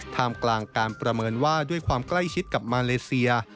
มกลางการประเมินว่าด้วยความใกล้ชิดกับมาเลเซีย